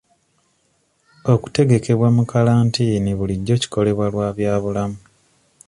Okutegekebwa mu kalantiini bulijjo kikolebwa lwa bya bulamu.